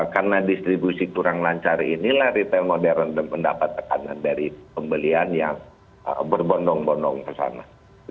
karena distribusi kurang lancar inilah retail modern mendapat tekanan dari pembelian yang berbondong bondong kesana